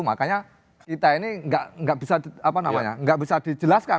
makanya kita ini nggak bisa dijelaskan